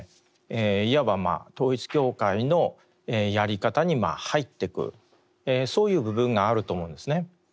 いわば統一教会のやり方に入っていくそういう部分があると思うんですね。